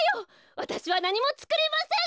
わたしはなにもつくりません！